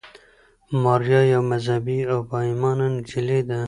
ماریا یوه مذهبي او با ایمانه نجلۍ ده.